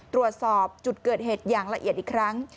ตรวจสอบจุดเกิดเหตุอย่างละเอียดอีกครั้ง